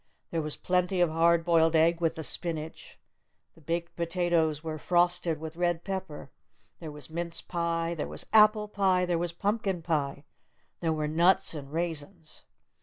There was plenty of hard boiled egg with the spinach. The baked potatoes were frosted with red pepper. There was mince pie. There was apple pie. There was pumpkin pie. There were nuts and raisins.